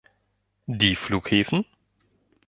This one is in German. Die Flughäfen?